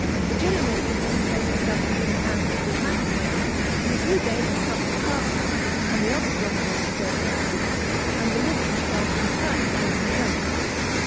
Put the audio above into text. The Genoese having placed the government in the hands of free magistrates, in a few days recovered the castle, and the other strongholds possessed by the duke, and delivered themselves entirely from his yoke.